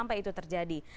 sampai itu terjadi